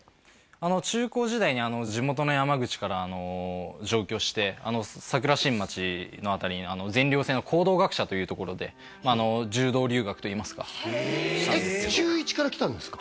中高時代に地元の山口から上京して桜新町のあたりに全寮制の講道学舎という所で柔道留学といいますか中１から来たんですか？